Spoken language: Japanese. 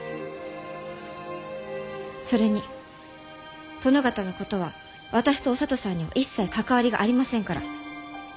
それに殿方のことは私とお聡さんには一切関わりがありませんから。